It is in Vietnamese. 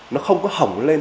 nó không có hỏng lên